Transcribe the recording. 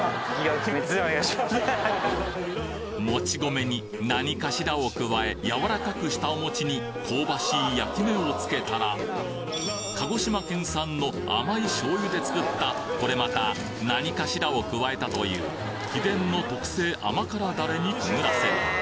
もち米に「何かしら」を加えやわらかくしたお餅に香ばしい焼き目をつけたら鹿児島県産の甘い醤油で作ったこれまた「何かしら」を加えたという秘伝の特製甘辛ダレにくぐらせる。